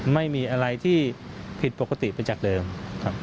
ไม่มีอะไรที่ผิดปกติไปจากเดิมครับ